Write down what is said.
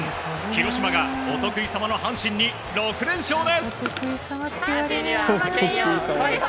広島がお得意様の阪神に６連勝です。